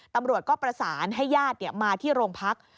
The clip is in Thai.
ตำรวจก็ประสานให้ญาติมาที่โรงพัก